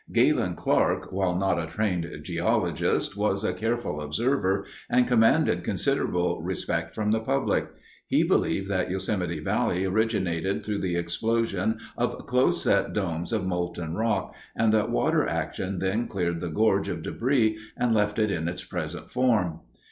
Galen Clark, while not a trained geologist, was a careful observer and commanded considerable respect from the public. He believed that Yosemite Valley originated through the explosion of close set domes of molten rock and that water action then cleared the gorge of debris and left it in its present form.